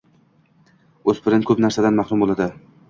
o’spirin ko’p narsadan mahrum bo’ladi.